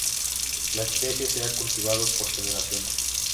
La especie se ha cultivado por generaciones.